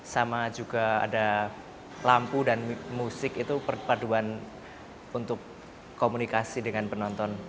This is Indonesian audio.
sama juga ada lampu dan musik itu perpaduan untuk komunikasi dengan penonton